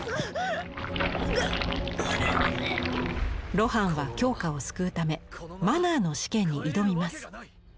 露伴は京香を救うため「マナー」の試験に挑みます。